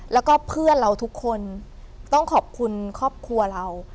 แล้วก็เพื่อนเราทุกคนต้องขอบคุณครอบครัวเรา